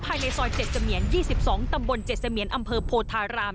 ภายในซอยเจสเมียนยี่สิบสองตำบลเจสเมียนอำเภอโพธาราม